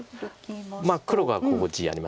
黒がここ地あります。